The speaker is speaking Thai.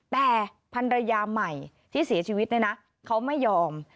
แต่พันรยาใหม่ที่เสียชีวิตเนี่ยนะเขาไม่ยอม